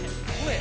声。